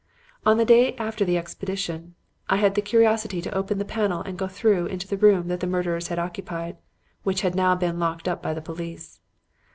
"On the day after the expedition, I had the curiosity to open the panels and go through into the room that the murderers had occupied, which had now been locked up by the police.